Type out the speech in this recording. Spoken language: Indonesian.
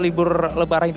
libur lebaran ini dulu